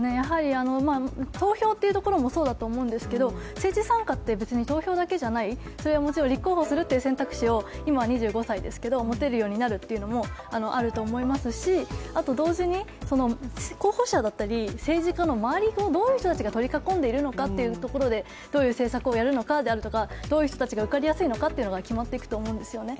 投票というところもそうだと思うんですけれども、政治参加って投票だけじゃない、立候補するという選択肢を今、２５歳ですけど、持てるようになるというのもあると思いますしあと同時に、候補者だったり政治家の周りをどういう人たちが取り囲んでいるのかというところで、どういう政策をやるのか、どういう人が受かりやすいのかが決まっていくと思うんですよね。